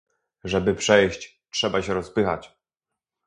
Żeby przejść, trzeba się rozpychać